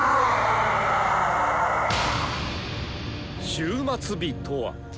「終末日」とは！